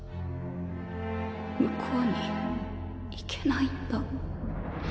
向こうに行けないんだ。